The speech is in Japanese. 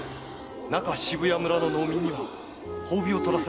中渋谷村の農民には褒美を取らせました。